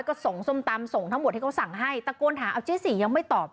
ก็ส่งส้มตำส่งทั้งหมดที่เขาสั่งให้ตะโกนถามเอาเจ๊สี่ยังไม่ตอบ